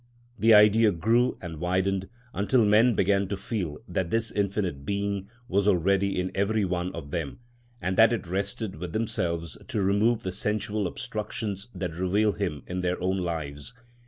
The idea grew and widened until men began to feel that this Infinite Being was already in every one of them, and that it rested with themselves to remove the sensual obstructions and reveal him in their own lives.